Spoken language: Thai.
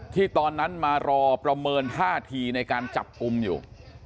ที่ตอนนั้นมารอประเมิน๕ทีในการจับกุมอยู่